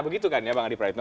begitu kan ya bang adi praetno